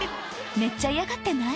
めっちゃ嫌がってない？